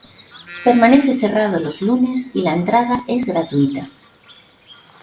Permanece cerrado los lunes y la entrada es gratuita.